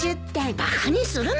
バカにするな。